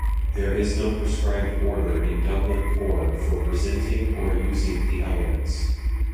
There is no prescribed order in Dublin Core for presenting or using the elements.